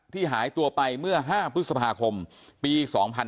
หายตัวไปเมื่อ๕พฤษภาคมปี๒๕๕๙